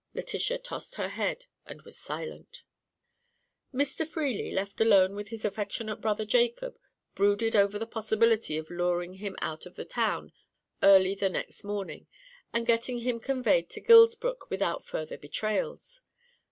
Letitia tossed her head and was silent. Mr. Freely, left alone with his affectionate brother Jacob, brooded over the possibility of luring him out of the town early the next morning, and getting him conveyed to Gilsbrook without further betrayals.